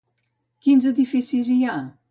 Quins edificis hi ha?